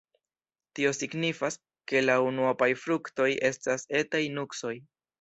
Tio signifas, ke la unuopaj fruktoj estas etaj nuksoj.